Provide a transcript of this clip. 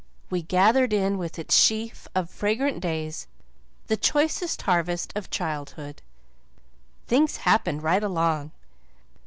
We gathered in with its sheaf of fragrant days the choicest harvest of childhood. Things happened right along.